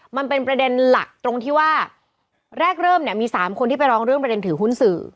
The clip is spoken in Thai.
มันเป็นประเด็นหลักตรงที่ว่าแรกเริ่มเนี่ยมี๓คนที่ไปร้องเรื่องประเด็นถือหุ้นสื่อ